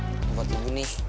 ini buat ibu nih